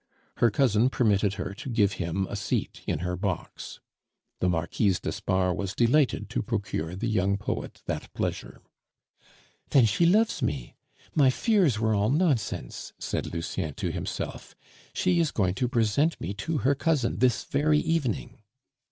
Her cousin permitted her to give him a seat in her box. The Marquise d'Espard was delighted to procure the young poet that pleasure. "Then she loves me! my fears were all nonsense!" said Lucien to himself. "She is going to present me to her cousin this very evening."